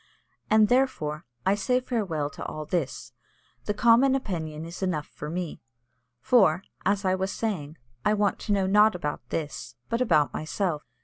And, therefore, I say farewell to all this; the common opinion is enough for me. For, as I was saying, I want to know not about this, but about myself.